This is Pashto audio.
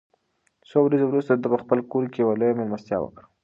څو ورځې وروسته ده په خپل کور کې یوه لویه مېلمستیا وکړه.